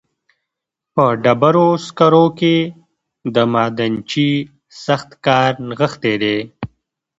په ډبرو سکرو کې د معدنچي سخت کار نغښتی دی